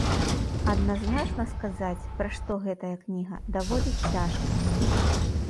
Адназначна сказаць, пра што гэтая кніга, даволі цяжка.